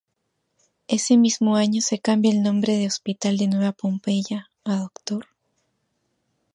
Ese mismo año se cambia el nombre, de Hospital de Nueva Pompeya a “Dr.